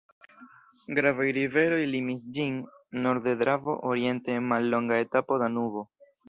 Gravaj riveroj limis ĝin: norde Dravo, oriente en mallonga etapo Danubo.